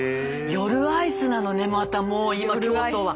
夜アイスなのねまたもう今京都は。